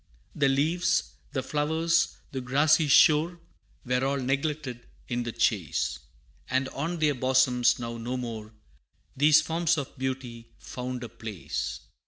The leaves, the flowers, the grassy shore, Were all neglected in the chase, And on their bosoms now no more These forms of beauty found a place.